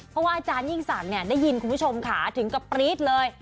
เพราะว่าอาจารย์ยิ่งสักเนี่ยได้ยินคุณผู้ชมขาถึงกระปรี๊ดเลย